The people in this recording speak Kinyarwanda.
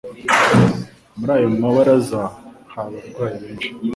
Muri ayo mabaraza hari abarwayi benshi,